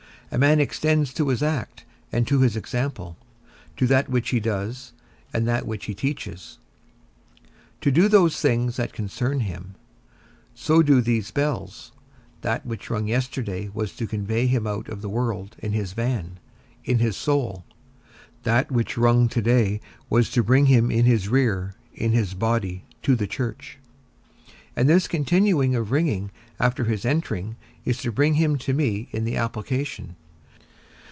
A man extends to his act and to his example; to that which he does, and that which he teaches; so do those things that concern him, so do these bells; that which rung yesterday was to convey him out of the world in his van, in his soul; that which rung to day was to bring him in his rear, in his body, to the church; and this continuing of ringing after his entering is to bring him to me in the application.